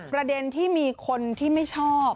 ประเด็นที่มีคนที่ไม่ชอบ